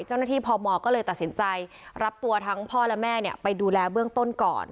เจ้าหน้าที่พมก็เลยตัดสินใจรับตัวทั้งพ่อและแม่เนี่ยไปดูแลเบื้องต้นก่อน